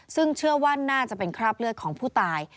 ซึ่งเชื่อว่าน่าจะเป็นคราบเลือดของผู้ตาย